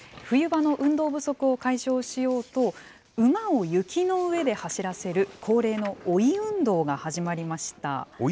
冬場の運動不足を解消しようと、馬を雪の上で走らせる恒例の追い運動が始まりました。